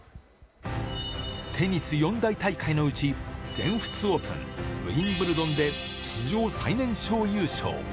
テニス四大大会のうち、全仏オープン、ウィンブルドンで史上最年少優勝。